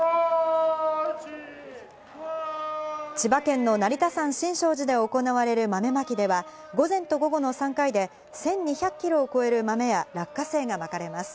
千葉県の成田山新勝寺で行われる豆まきでは午前と午後の３回で１２００キロを超える豆や落花生がまかれます。